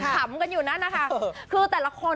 ขำกันอยู่นั่นนะคะคือแต่ละคน